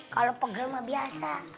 kalo pegel mah biasa